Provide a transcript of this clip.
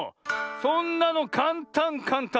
そんなのかんたんかんたん。